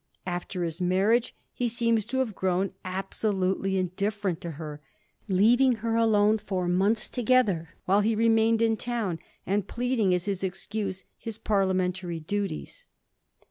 After his marriage he seems to have grown absolutely indifferent to her, leaving her alone for months together while he re mained in town, and pleading as his excuse his Par liamentary duties.